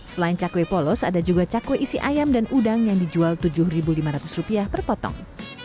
selain cakwe polos ada juga cakwe isi ayam dan udang yang dijual rp tujuh lima ratus per potong